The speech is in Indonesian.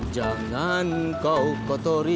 jangan kau kotori